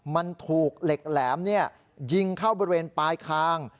มันถูกเหล็กแหลมยิงเข้าบริเวณปลายคาง